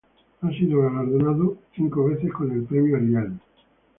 Ha sido galardonado cinco veces con el Premio Ariel.